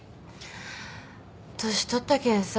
年取ったけんさ